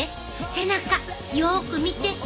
背中よく見て。